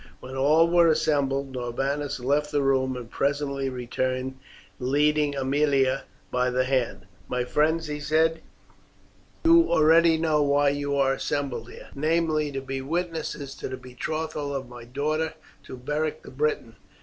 When all were assembled Norbanus left the room, and presently returned leading Aemilia by the hand. "My friends," he said, "you already know why you are assembled here, namely to be witnesses to the betrothal of my daughter to Beric the Briton.